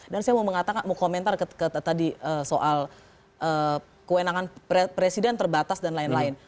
dan saya mau mengatakan mau komentar tadi soal kewenangan presiden terbatas dan lain lain